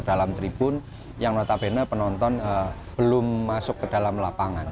dalam tribun yang notabene penonton belum masuk ke dalam lapangan